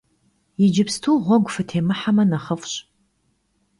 Иджыпсту гъуэгу фытемыхьэмэ нэхъыфӀщ!